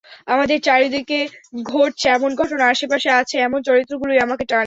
আমাদের চারদিকে ঘটছে, এমন ঘটনা, আশপাশে আছে, এমন চরিত্রগুলোই আমাকে টানে।